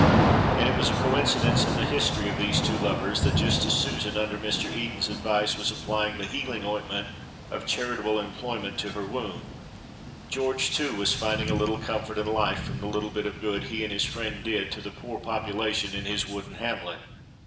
And it was a coincidence in the history of these two lovers that just as Susan under Mr. Eden's advice was applying the healing ointment of charitable employment to her wound, George, too, was finding a little comfort and life from the little bit of good he and his friend did to the poor population in his wooden hamlet.